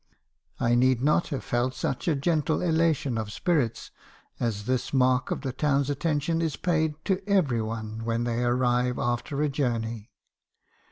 I need not have felt such a gentle elation of spirits , as this mark of the town's attention is paid to every one when they arrive after a journey.